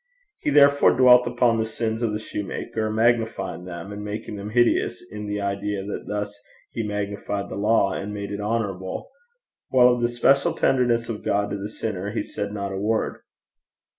He therefore dwelt upon the sins of the soutar, magnifying them and making them hideous, in the idea that thus he magnified the law, and made it honourable, while of the special tenderness of God to the sinner he said not a word.